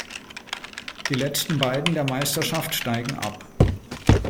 Die letzten Beiden der Meisterschaft steigen ab.